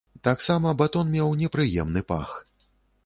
Таксама батон меў непрыемны пах.